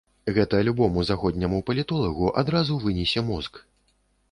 Гэта любому заходняму палітолагу адразу вынесе мозг.